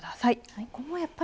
はい。